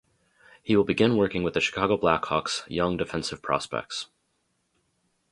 He will begin working with the Chicago Blackhawks' young defensive prospects.